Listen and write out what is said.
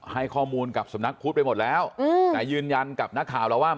ให้ข้อมูลกับสำนักพุทธไปหมดแล้วแต่ยืนยันกับนักข่าวแล้วว่า